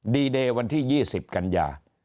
ดีเดย์วันที่๒๐กันยา